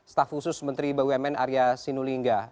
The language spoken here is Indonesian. staf khusus menteri bumn arya sinulinga